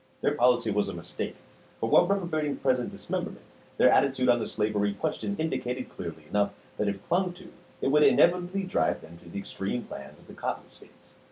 Their policy was a mistake ; for, while reprobating present dismemberment, their attitude on the slavery question indicated clearly enough that, if clung to, it would inevitably drive them to the extreme plans of the Cotton States.